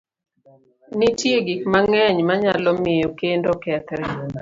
Nitie gik mang'eny manyalo miyo kend okethre.